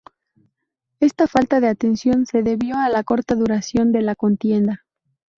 Esta falta de atención se debió a la corta duración de la contienda.